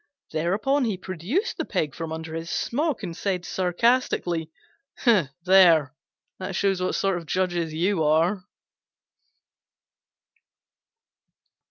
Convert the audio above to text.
Thereupon he produced the pig from under his smock and said sarcastically, "There, that shows what sort of judges you are!"